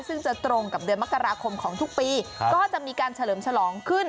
ซึ่งจะตรงกับเดือนมกราคมของทุกปีก็จะมีการเฉลิมฉลองขึ้น